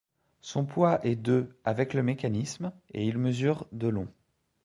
Son poids est de avec le mécanisme et il mesure de long.